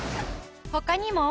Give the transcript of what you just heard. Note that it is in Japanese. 他にも。